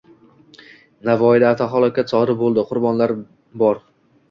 Navoiyda avtohalokat sodir bo‘ldi: qurbonlar borng